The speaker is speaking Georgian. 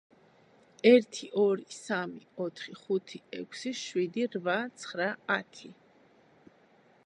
ერთი ორი სამი ოთხი ხუთი ექვსი შვიდი რვა ცხრა ათი